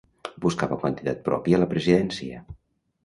Buscava un candidat propi a la presidència.